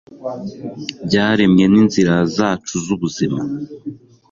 byaremwe n'inzira zacu z'ubuzima